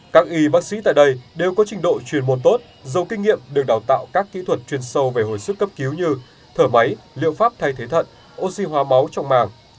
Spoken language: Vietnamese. các y bác sĩ tại đây đều có trình độ chuyên môn tốt giàu kinh nghiệm được đào tạo các kỹ thuật chuyên sâu về hồi suất cấp cứu như thở máy liệu pháp thay thế thận oxy hóa máu trong màng